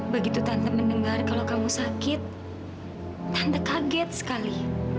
begitu tante mendengar kalau kamu sakit tante kaget sekali